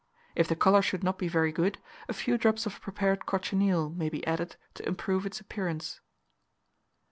If the colour should not be very good, a few drops of prepared cochineal may be added to improve its appearance.